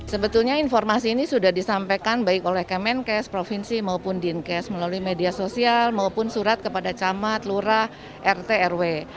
sebetulnya informasi ini sudah disampaikan baik oleh kemenkes provinsi maupun dinkes melalui media sosial maupun surat kepada camat lurah rt rw